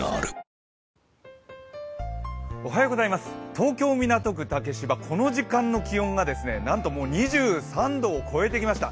東京・港区竹芝、この時間の気温が、なんともう２３度を超えてきました。